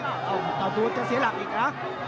ตาวบูทจะเสียหลักอีกนะ